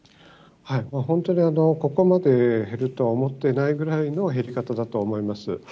本当にここまで減るとは思ってないぐらいの減り方だと思います。